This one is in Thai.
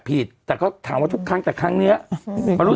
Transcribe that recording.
ปุ๊บปุ๊บปุ๊บปุ๊บ